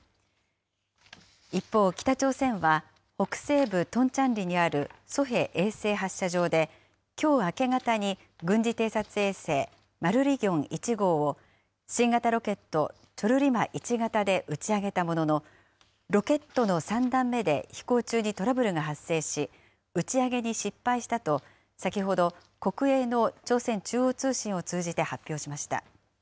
一方、北朝鮮は北西部トンチャンリにあるソヘ衛星発射場で、きょう明け方に軍事偵察衛星、マルリギョン１号を、新型ロケット、チョルリマ１型で打ち上げたものの、ロケットの３段目で飛行中にトラブルが発生し、打ち上げに失敗したと、先ほど、国営の朝鮮中央通信を通じて発表しました。